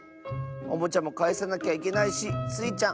おもちゃもかえさなきゃいけないしスイちゃん